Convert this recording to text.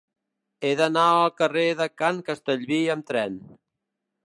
He d'anar al carrer de Can Castellví amb tren.